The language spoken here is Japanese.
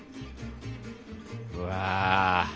うわ。